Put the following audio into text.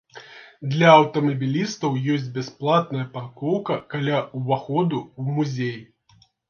Для аўтамабілістаў ёсць бясплатная паркоўка каля ўваходу ў музей.